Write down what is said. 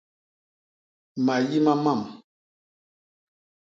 Mayi ma mam.